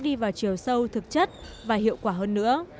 đi vào chiều sâu thực chất và hiệu quả hơn nữa